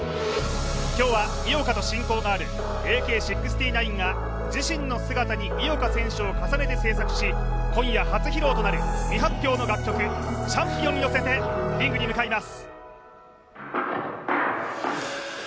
今日は井岡と親交があるＡＫ−６９が自身の姿に井岡選手を重ねて作曲し今夜初披露となる未発表の楽曲、「Ｃｈａｍｐｉｏｎ」に乗せてリングに向かいます。